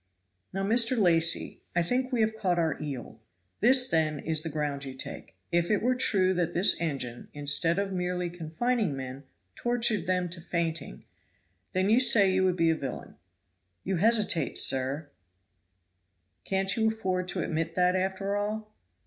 "Now, Mr. Lacy, I think we have caught our eel. This, then, is the ground you take; if it were true that this engine, instead of merely confining men, tortured them to fainting, then you say you would be a villain. You hesitate, sir; can't you afford to admit that, after all?"